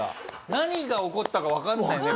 何が起こったかわかんないよね